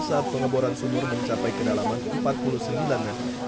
saat pengeboran sumur mencapai kenalaman empat puluh sembilan an